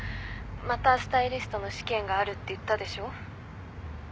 またスタイリストの試験があるって言ったでしょ？